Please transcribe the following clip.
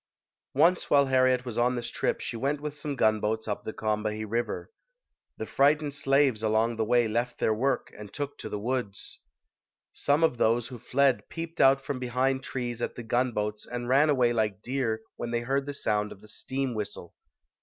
Once while Harriet was on this trip she went with some gunboats up the Combahee River. The frightened slaves along the way left their work and took to the woods. Some of those who fled peeped out from behind trees at the gunboats and ran away like deer when they heard the sound of the steam whistle.